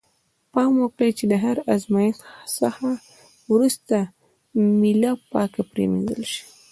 پام وکړئ چې له هر آزمایښت څخه وروسته میله پاکه پرېمینځل شي.